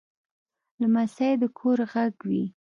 لمسی د کور غږ وي.